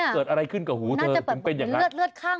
เกิดอะไรขึ้นกับหูเธอถึงเป็นอย่างนั้น